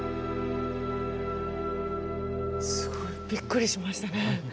すごいびっくりしましたね。